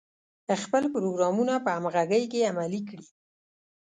خپل پروګرامونه په همغږۍ کې عملي کړي.